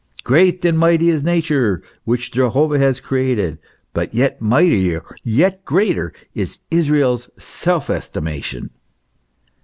Great and mighty is Nature, which Jehovah has created, but yet mightier, yet greater, is Israel's self estimation.